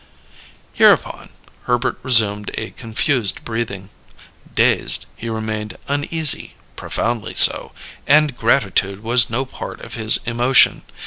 Hereupon, Herbert resumed a confused breathing. Dazed, he remained uneasy, profoundly so: and gratitude was no part of his emotion.